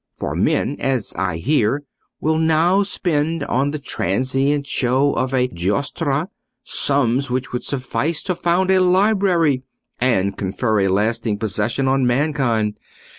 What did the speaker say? For men, as I hear, will now spend on the transient show of a Giostra sums which would suffice to found a library, and confer a lasting possession on mankind.